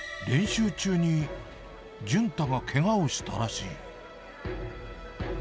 練習中に潤太がけがをしたらしい。